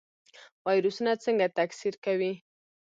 ویروسونه څنګه تکثیر کوي؟